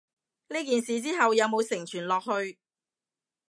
呢件事之後有無承傳落去？